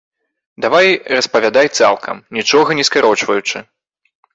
Давай распавядай цалкам, нічога не скарочваючы.